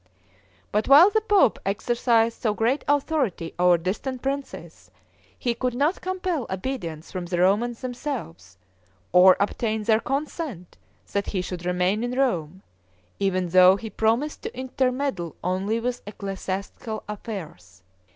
But while the pope exercised so great authority over distant princes, he could not compel obedience from the Romans themselves, or obtain their consent that he should remain in Rome, even though he promised to intermeddle only with ecclesiastical affairs.